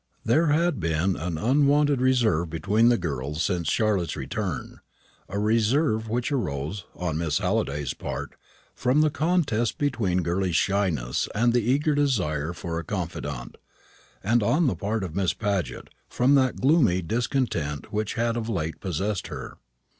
There had been an unwonted reserve between the girls since Charlotte's return, a reserve which arose, on Miss Halliday's part, from the contest between girlish shyness and the eager desire for a confidante; and on the part of Miss Paget, from that gloomy discontent which had of late possessed her.